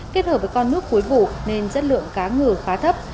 kết hợp với con nước cuối vụ nên chất lượng cá ngừ khá thấp